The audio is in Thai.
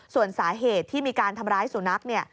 ส่วนสาเหตุที่มีการทำร้ายสูนัก